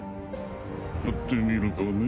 やってみるかね？